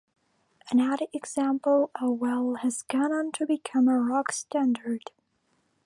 Another example, "Oh Well" has gone on to become a rock standard.